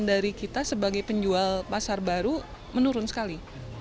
dari kita sebagai penjual pasar baru menurun sekali